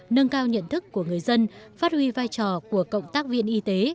nâng cao nhận thức của người dân phát huy vai trò của cộng tác viên y tế